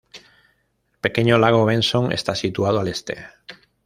El pequeño lago Benson está situado al este.